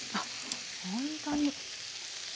ほんとに。